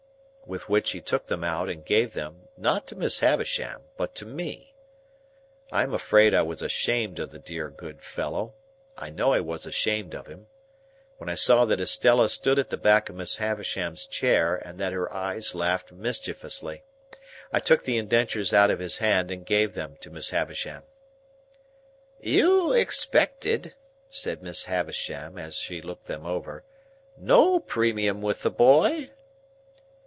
With which he took them out, and gave them, not to Miss Havisham, but to me. I am afraid I was ashamed of the dear good fellow,—I know I was ashamed of him,—when I saw that Estella stood at the back of Miss Havisham's chair, and that her eyes laughed mischievously. I took the indentures out of his hand and gave them to Miss Havisham. "You expected," said Miss Havisham, as she looked them over, "no premium with the boy?"